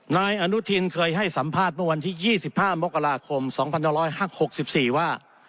นายอนุทินเคยให้สัมภาษณ์เมื่อวันที่๒๕มกราคม๒๕๖๔ว่า